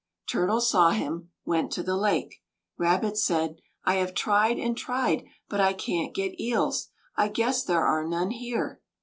Turtle saw him, went to the lake. Rabbit said: "I have tried and tried; but I can't get eels. I guess there are none here."